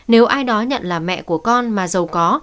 nếu ai đó nhận là mẹ của con mà giàu có